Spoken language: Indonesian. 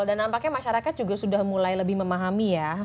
dan nampaknya masyarakat juga sudah mulai lebih memahami ya